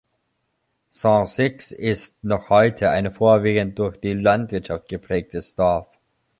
Saint-Sixt ist noch heute ein vorwiegend durch die Landwirtschaft geprägtes Dorf.